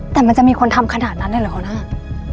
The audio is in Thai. แต่มันจะมีคนทำขนาดนั้นได้เหรอครับ